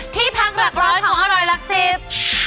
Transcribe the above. ที่พักหลักร้อยของอร่อยหลักสิบ